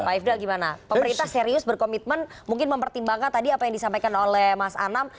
pak ifdal gimana pemerintah serius berkomitmen mungkin mempertimbangkan tadi apa yang disampaikan oleh mas anam